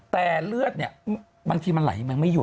แต่เลือดบางทีมันไหลไม่หยุด